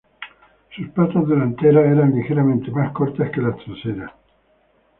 Sus patas delanteras eran ligeramente más cortas que las traseras.